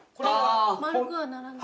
丸くはならない？